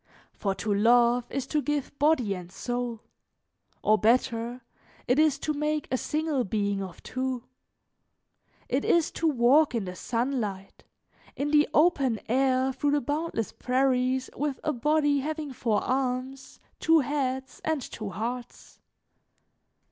"For to love is to give body and soul, or, better, it is to make a single being of two; it is to walk in the sunlight, in the open air through the boundless prairies with a body having four arms, two heads and two hearts.